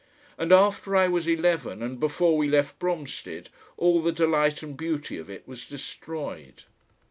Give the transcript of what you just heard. And after I was eleven, and before we left Bromstead, all the delight and beauty of it was destroyed.